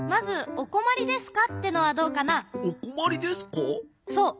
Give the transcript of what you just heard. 「おこまりですか？」。